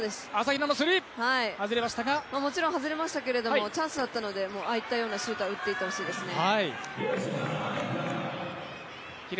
もちろん外れましたけれども、チャンスですのでああいったシュートは打っていってほしいですね。